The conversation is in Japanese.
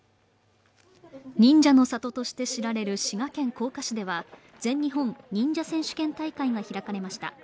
忍者の里として知られる滋賀県甲賀市では、全日本忍者選手権大会が開かれました。